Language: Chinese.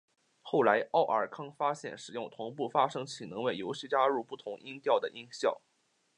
但后来奥尔康发现使用同步发生器能为游戏加入不同音调的音效。